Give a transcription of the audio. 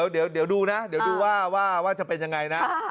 เดี๋ยวเดี๋ยวดูนะเดี๋ยวดูว่าจะเป็นอย่างไรนะ